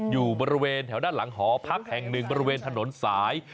อยู่บริเวณแถวด้านหลังหอพักแห่งหนึ่งบริเวณถนนสาย